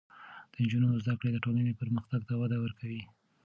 د نجونو زده کړې د ټولنې پرمختګ ته وده ورکوي.